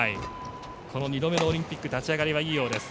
この二度目のオリンピック立ち上がりはいいようです。